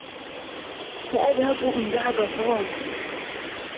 سأذهب إن ذهب توم.